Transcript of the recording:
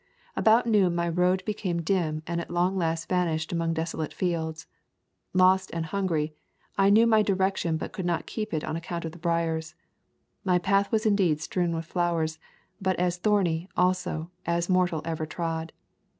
About noon my road became dim and at last vanished among desolate fields. Lost and hungry, I knew my direction but could not keep it on account of the briers. My path was indeed strewn with flowers, but as thorny, also, as mor tal ever trod.